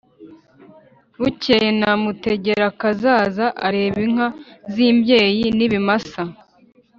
bukeye namutegerakazaza areba inka z imbyeyi n ibimasa